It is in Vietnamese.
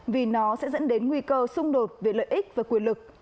vì nó sẽ dẫn đến nguy cơ xung đột về lợi ích và quyền lực